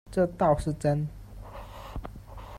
这倒是真